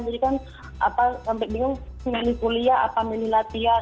jadi kan sampai bingung milih kuliah atau milih latihan